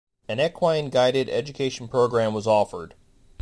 An equine-guided education program was offered.